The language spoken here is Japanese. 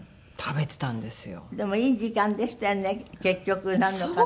でもいい時間でしたよね結局なんだかんだ。